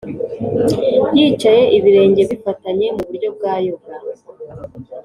yicaye ibirenge bifatanye (mu buryo bwa yoga)